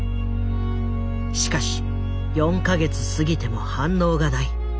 しかし４か月過ぎても反応がない。